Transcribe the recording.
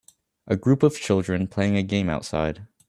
A group of children playing a game outside